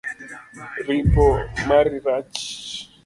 Ripo mari rach